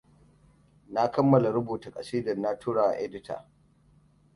Na kammala rubuta ƙasidar na turawa edita.